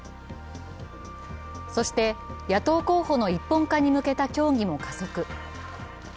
そして野党候補の一本化に向けた協議も加速。